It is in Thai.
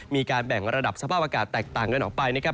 มีการแบ่งระดับสภาพอากาศแตกต่างกันออกไปนะครับ